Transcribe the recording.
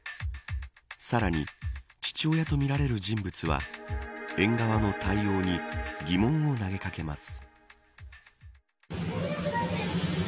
さらに、父親とみられる人物は園側の対応に疑問を投げ掛けます。